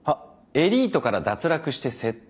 「エリートから脱落して窃盗」